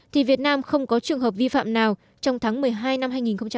thì việt nam không có trường hợp vi phạm nào trong tháng một mươi hai năm hai nghìn một mươi chín